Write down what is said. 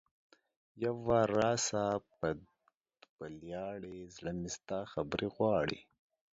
یو وار راسه په ولیاړې ـ زړه مې ستا خبرې غواړي